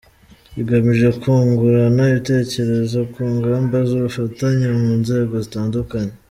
Igamije kungurana ibitekerezo ku ngamba z’ubufatanye mu nzego zitandukanye.